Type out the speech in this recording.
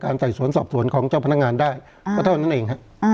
ก็จะทำพนักงานได้ก็เท่านั้นเองครับ